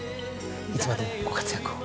いつまでもご活躍を。